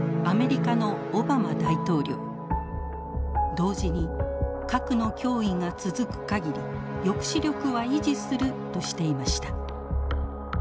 同時に核の脅威が続く限り抑止力は維持するとしていました。